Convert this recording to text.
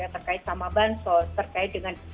terkait sama bansos terkait dengan